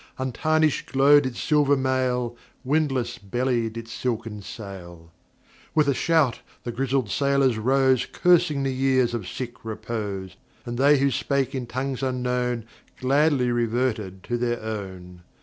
Untarnished glowed its silver mail, Windless bellied its silken sail. With a shout the grizzled sailors rose Cursing the years of sick repose, And they who spake in tongues unknown Gladly reverted to their own.